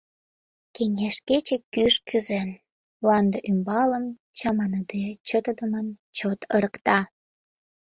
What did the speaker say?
Кеҥеж кече кӱш кӱзен, мланде ӱмбалым, чаманыде, чытыдымын чот ырыкта.